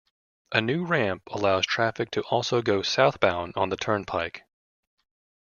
A new ramp allows traffic to also go southbound on the Turnpike.